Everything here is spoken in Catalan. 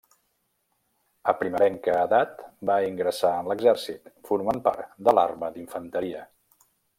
A primerenca edat va ingressar en l'exèrcit, formant part de l'arma d'infanteria.